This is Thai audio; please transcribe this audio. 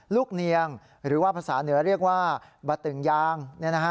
เนียงหรือว่าภาษาเหนือเรียกว่าบะตึงยาง